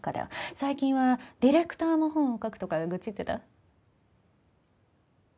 最近はディレクターもホンを書くとか愚痴ってた？